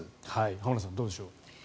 浜田さん、どうでしょう。